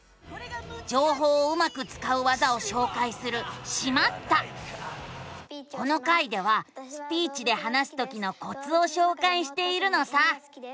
じょうほうをうまくつかう技をしょうかいするこの回ではスピーチで話すときのコツをしょうかいしているのさ。